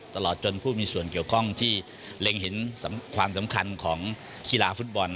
ตลอดจนผู้มีส่วนเกี่ยวข้องที่เล็งเห็นความสำคัญของกีฬาฟุตบอล